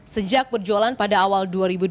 sejak perjualan pada awal dua ribu dua puluh